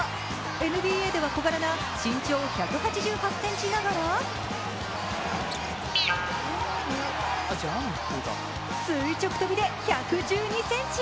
ＮＢＡでは小柄な身長１８８ｃｍながら垂直跳びで１１２ｃｍ。